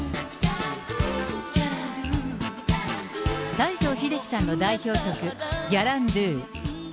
西城秀樹さんの代表曲、ギャランドゥ。